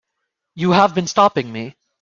You have been stopping me.